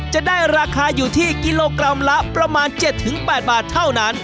จะได้ราคาอยู่ที่กิโลกรัมละประมาณ๗๘บาทเท่านั้น